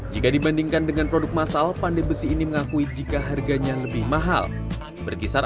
jika dibandingkan dengan produk masal pandai besi ini mengakui jika harganya lebih mahal berkisar